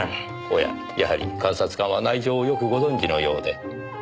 おややはり監察官は内情をよくご存じのようで。